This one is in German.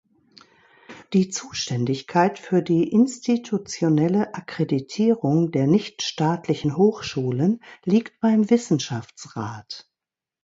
Die Zuständigkeit für die institutionelle Akkreditierung der nichtstaatlichen Hochschulen liegt beim Wissenschaftsrat.